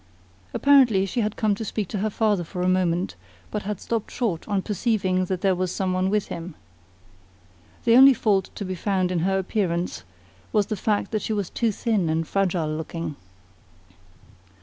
Apparently she had come to speak to her father for a moment, but had stopped short on perceiving that there was some one with him. The only fault to be found in her appearance was the fact that she was too thin and fragile looking.